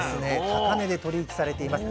高値で取り引きされています。